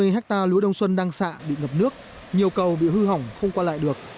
sáu trăm năm mươi hectare lúa đông xuân đang xạ bị ngập nước nhiều cầu bị hư hỏng không qua lại được